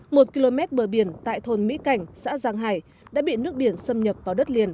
một km bờ biển tại thôn mỹ cảnh xã giang hải đã bị nước biển xâm nhập vào đất liền